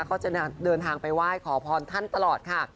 ก็จะเดินทางไปไหว้ขอพรท่านตลอดค่ะ